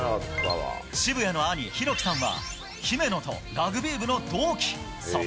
渋谷の兄、拓希さんは、姫野とラグビー部の同期。